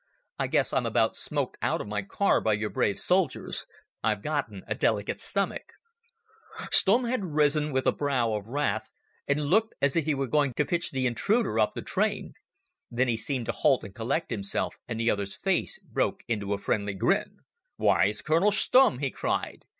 I guess I'm about smoked out of my car by your brave soldiers. I've gotten a delicate stomach ..." Stumm had risen with a brow of wrath, and looked as if he were going to pitch the intruder off the train. Then he seemed to halt and collect himself, and the other's face broke into a friendly grin. "Why, it's Colonel Stumm," he cried.